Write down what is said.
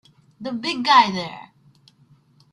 The big guy there!